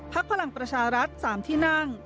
พลังประชารัฐ๓ที่นั่ง